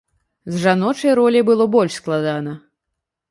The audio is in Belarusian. З жаночай роляй было больш складана.